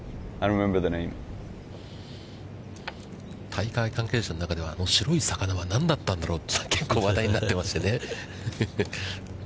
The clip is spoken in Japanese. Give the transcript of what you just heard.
大会関係者の中では、あの白い魚は何だったんだろうと、結構、話題になってましてね。